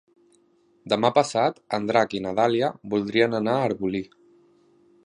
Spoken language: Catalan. Demà passat en Drac i na Dàlia voldrien anar a Arbolí.